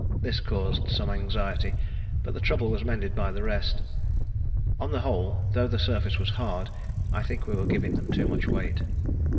This caused some anxiety, but the trouble was mended by rest. On the whole, though the surface was hard, I think we were giving them too much weight.